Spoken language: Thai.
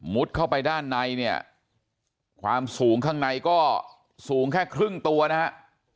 เข้าไปด้านในเนี่ยความสูงข้างในก็สูงแค่ครึ่งตัวนะฮะ